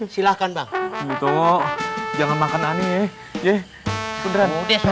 silahkan banget jangan makan aneh ya